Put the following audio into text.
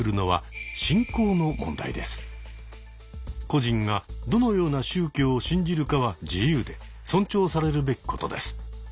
個人がどのような宗教を信じるかは自由で尊重されるべきことです。